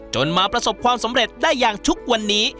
มาประสบความสำเร็จได้อย่างทุกวันนี้